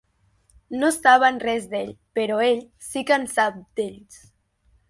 No saben res d'ell, però ell si que en sap d'ells.